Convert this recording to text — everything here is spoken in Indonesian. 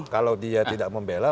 kalau dia tidak membela